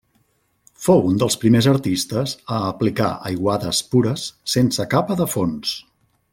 Fou un dels primers artistes a aplicar aiguades pures sense capa de fons.